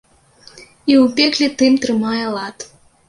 І ў пекле тым трымае лад!